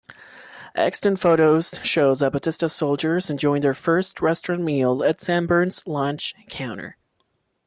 Extant photos show "Zapatista" soldiers enjoying their first restaurant meal at Sanborns' lunch counter.